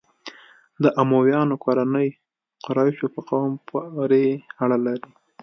د امویانو کورنۍ قریشو په قوم پورې اړه لري.